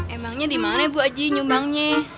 emangnya di mana ibu aji nyumbangnya